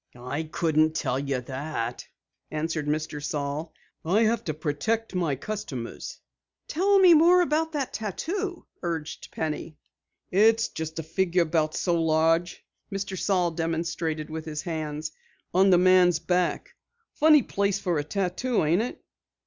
"I couldn't tell you that," answered Mr. Saal. "I have to protect my customers." "Tell me more about the tattoo," urged Penny. "It's just a figure about so large " Mr. Saal demonstrated with his hands, "on the man's back. Funny place for a tattoo, ain't it?"